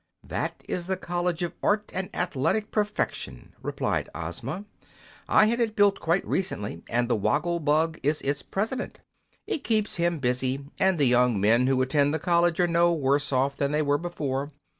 "That is the College of Art and Athletic Perfection," replied Ozma. "I had it built quite recently, and the Woggle Bug is its president. It keeps him busy, and the young men who attend the college are no worse off than they were before.